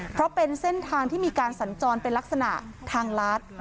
เพราะเป็นเส้นทางที่มีการสัญจรเป็นลักษณะทางลัด